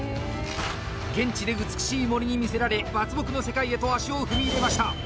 現地で美しい森に魅せられ伐木の世界へと足を踏み入れました。